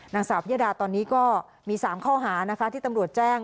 นางสาวพิยดาตอนนี้ก็มี๓ข้อหานะคะที่ตำรวจแจ้ง